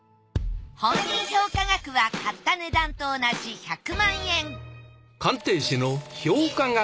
本人評価額は買った値段と同じ１００万円２６０万円！